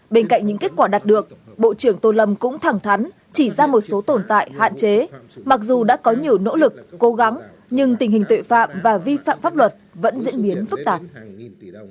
bên cạnh những kết quả đạt được bộ trưởng tô lâm cũng thẳng thắn chỉ ra một số tồn tại hạn chế mặc dù đã có nhiều nỗ lực cố gắng nhưng tình hình tội phạm và vi phạm pháp luật vẫn diễn biến phức tạp